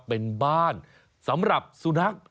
เป็นบ้านสำหรับสุนัข